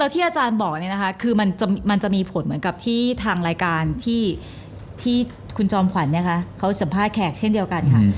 ที่อาจารย์บอกคือมันจะมีผลเหมือนกับที่ทางรายการที่คุณจอมขวัญเขาสัมภาษณ์แขกเช่นเดียวกันค่ะ